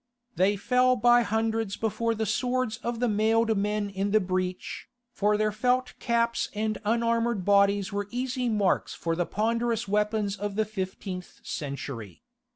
They fell by hundreds before the swords of the mailed men in the breach, for their felt caps and unarmoured bodies were easy marks for the ponderous weapons of the fifteenth century.